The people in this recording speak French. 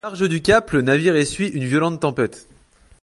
Au large du Cap, le navire essuie une violente tempête.